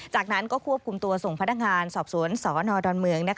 จากนั้นก็ควบคุมตัวส่งพนักงานสอบสวนสนดอนเมือง